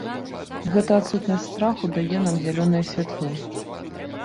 Гэта адсутнасць страху дае нам зялёнае святло.